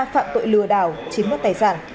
phạm tội lừa đảo chiếm đoạt tài sản